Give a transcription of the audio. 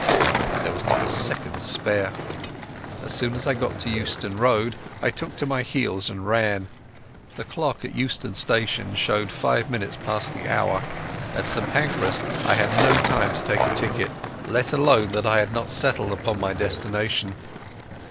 There was not a second to spare. As soon as I got to Euston Road I took to my heels and ran. The clock at Euston Station showed five minutes past the hour. At St Pancras I had no time to take a ticket, let alone that I had not settled upon my destination.